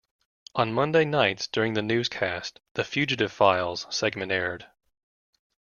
On Monday nights during the newscast, the "Fugitive Files" segment aired.